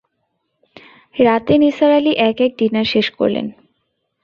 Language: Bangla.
রাতে নিসার আলি এক-এক ডিনার শেষ করলেন।